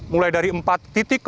mulai dari empat titik